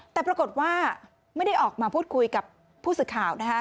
แต่ปรากฏว่าไม่ได้ออกมาพูดคุยกับผู้สื่อข่าว